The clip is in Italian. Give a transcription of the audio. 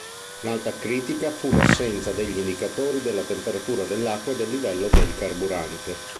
Un'altra critica fu l'assenza degli indicatori della temperatura dell'acqua e del livello del carburante.